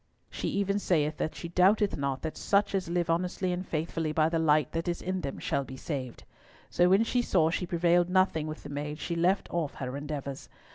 "She even saith that she doubteth not that such as live honestly and faithfully by the light that is in them shall be saved. So when she saw she prevailed nothing with the maid, she left off her endeavours.